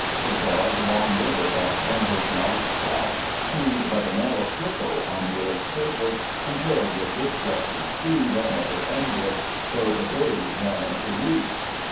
The broad, long river that had been his life's path seemed but a narrow trickle on the earth's face compared with this stretch of sea that never ended, though the days ran into weeks.